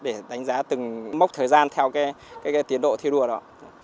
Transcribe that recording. để đánh giá từng mốc thời gian theo tiến độ thi đua đó